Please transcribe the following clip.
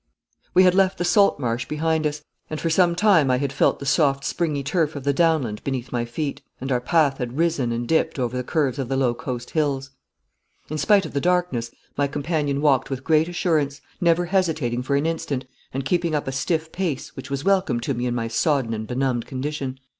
We had left the salt marsh behind us, and for some time I had felt the soft springy turf of the downland beneath my feet, and our path had risen and dipped over the curves of the low coast hills. In spite of the darkness my companion walked with great assurance, never hesitating for an instant, and keeping up a stiff pace which was welcome to me in my sodden and benumbed condition.